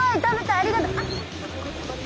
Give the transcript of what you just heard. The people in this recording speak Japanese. ありがとう。